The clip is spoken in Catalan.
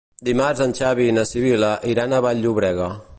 Dimarts en Xavi i na Sibil·la iran a Vall-llobrega.